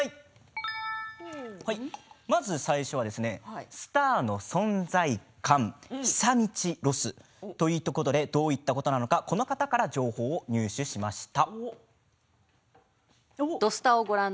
まず最初はスターの存在感久通ロスということでどういったことなのかこの方から情報を入手しました。